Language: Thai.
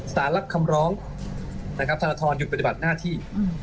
รับคำร้องนะครับธนทรหยุดปฏิบัติหน้าที่